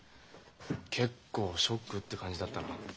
結構ショックって感じだったな。